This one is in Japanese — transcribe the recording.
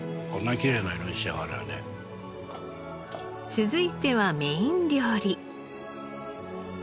続いてはメイン料理。